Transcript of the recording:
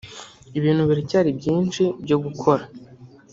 ibintu biracyari byinshi byo gukora